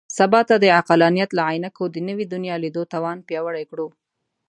سبا ته د عقلانیت له عینکو د نوي دنیا لیدو توان پیاوړی کړو.